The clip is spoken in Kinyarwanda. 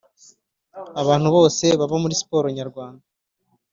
Abantu bose baba muri siporo nyarwanda